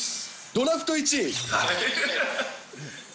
ドラフト１位？